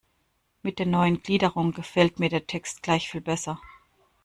Mit der neuen Gliederung gefällt mir der Text gleich viel besser.